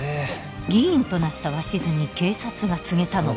議員となった鷲津に警察が告げたのが。